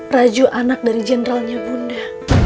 raju anak dari jenderalnya bunda